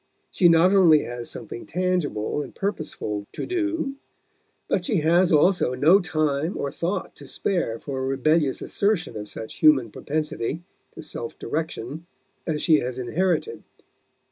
She not only has something tangible and purposeful to do, but she has also no time or thought to spare for a rebellious assertion of such human propensity to self direction as she has inherited.